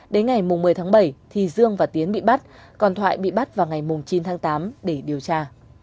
đến ngày một mươi tháng bảy thì dương và tiến bị bắt còn thoại bị bắt vào ngày chín tháng tám để điều tra